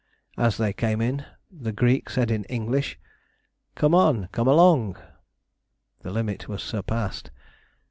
As they came in, the Greek said in English, "Come on, come along," the limit was surpassed!